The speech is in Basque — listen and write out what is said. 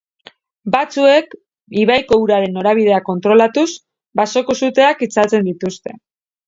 Batzuek ibaiko uraren norabidea kontrolatuz basoko suteak itzaltzen dituzte.